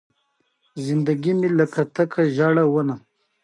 د بیان ازادي مهمه ده ځکه چې اعتماد رامنځته کوي.